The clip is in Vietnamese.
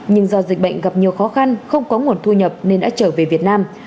nhưng do dịch bệnh gặp nhiều khó khăn không có nguồn thu nhập nên đã trở về việt nam